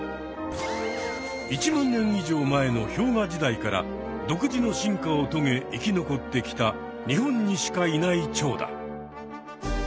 １万年以上前の氷河時代から独自の進化をとげ生き残ってきた日本にしかいないチョウだ。